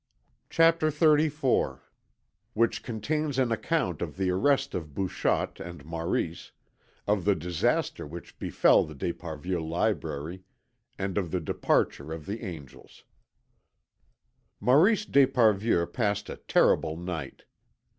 CHAPTER XXXIV WHICH CONTAINS AN ACCOUNT OF THE ARREST OF BOUCHOTTE AND MAURICE, OF THE DISASTER WHICH BEFELL THE D'ESPARVIEU LIBRARY, AND OF THE DEPARTURE OF THE ANGELS Maurice d'Esparvieu passed a terrible night.